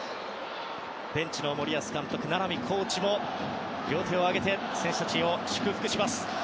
ベンチの森保監督、名波コーチも両手を上げて選手を祝福しました。